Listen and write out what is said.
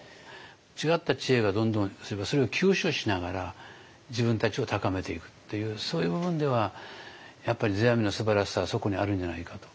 違った知恵がどんどんそれを吸収しながら自分たちを高めていくっていうそういう部分ではやっぱり世阿弥のすばらしさはそこにあるんじゃないかと。